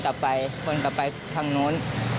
มีการฆ่ากันห้วย